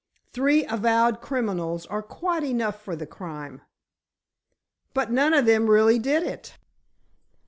Three avowed criminals are quite enough for the crime!" "But none of them really did it."